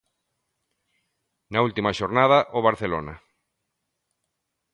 Na última xornada, ao Barcelona.